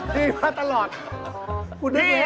พี่มาตลอด